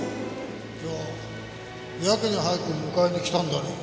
じゃあやけに早く迎えに来たんだね